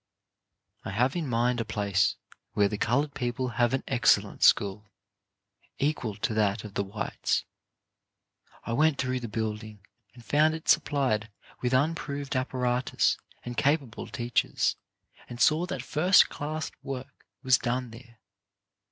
I have in mind a place where the coloured people have an excellent school, equal to that of the whites. I went through the building and found it supplied with improved apparatus and capable teachers, and saw that first class work was done there.